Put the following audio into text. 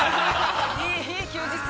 いい休日。